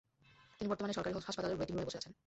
তিনি বর্তমানে সরকারি হাসপাতালের ওয়েটিং রুমে বসে আছেন।